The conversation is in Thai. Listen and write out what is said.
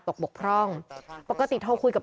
ส่วนของชีวาหาย